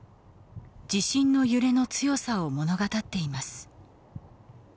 地震の揺れの強さを物語っています。